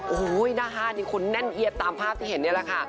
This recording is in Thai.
โอ้โหหน้าห้านนี่คนแน่นเอียดตามภาพที่เห็นนี่แหละค่ะ